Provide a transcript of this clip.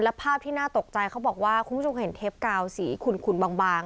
และภาพที่น่าตกใจเขาบอกว่าคุณผู้ชมเห็นเทปกาวสีขุนบาง